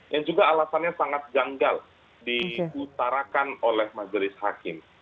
yang juga alasannya sangat janggal diutarakan oleh majelis hakim